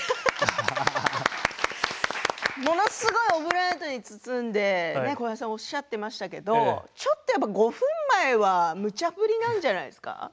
ものすごいオブラートに包んで小林さんおっしゃっていましたけどちょっと５分前はむちゃ振りなんじゃないですか？